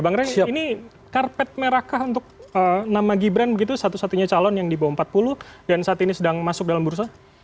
bang rey ini karpet merahkah untuk nama gibran begitu satu satunya calon yang di bawah empat puluh dan saat ini sedang masuk dalam bursa